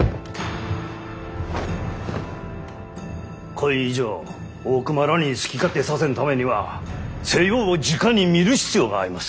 こい以上大隈らに好き勝手させんためには西洋をじかに見る必要があいもす。